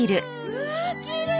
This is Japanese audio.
うわきれい！